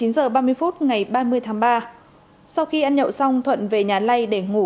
vào khoảng một mươi chín h ba mươi phút ngày ba mươi tháng ba sau khi ăn nhậu xong thuận về nhà lây để ngủ